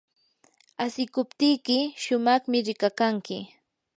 asikuptiyki shumaqmi rikakanki.